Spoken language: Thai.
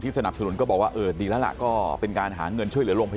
ที่สนับสนุนก็บอกว่าเออดีแล้วล่ะก็เป็นการหาเงินช่วยเหลือ